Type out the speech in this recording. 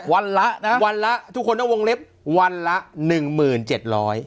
วันละนะวันละทุกคนต้องวงเล็บวันละหนึ่งหมื่นเจ็ดร้อย